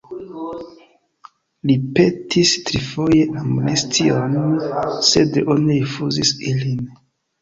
Li petis trifoje amnestion, sed oni rifuzis ilin.